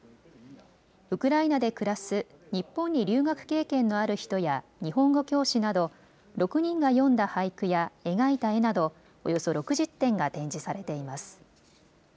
ウクライナで暮らす日本に留学経験のある人や日本語教師など６人が詠んだ俳句や描いた絵などおよそ６０点が展示されています。